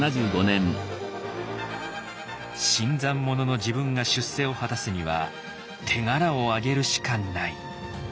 「新参者の自分が出世を果たすには手柄をあげるしかない」。